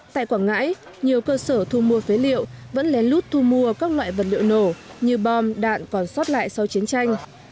tại quảng ngãi nhiều cơ sở thu mua phế liệu vẫn lén lút thu mua các loại vật liệu nổ như bom đạn còn sót lại sau chiến tranh